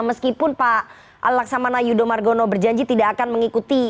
meskipun pak laksamana yudho margono berjanji tidak akan mengikuti